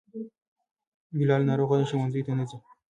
بلال ناروغه دی, ښونځي ته نه ځي